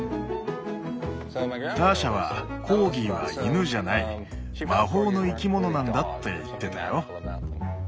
ターシャはコーギーは犬じゃない魔法の生き物なんだって言ってたよ。